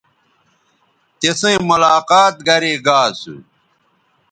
تِسئیں ملاقات گرے گا اسو